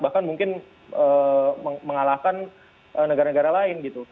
bahkan mungkin mengalahkan negara negara lain gitu